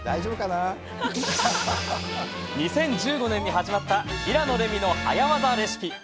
２０１５年に始まった「平野レミの早わざレシピ」。